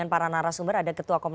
saya mau ke dokter idun lagi